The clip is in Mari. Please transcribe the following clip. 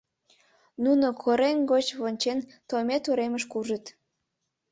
Нуно, корем гоч вончен, Тоймет уремыш куржыт.